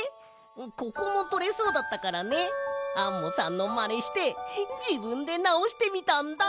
ここもとれそうだったからねアンモさんのまねしてじぶんでなおしてみたんだ！